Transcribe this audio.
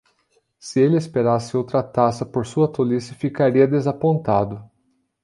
Se ele esperasse outra taça por sua tolice, ficaria desapontado!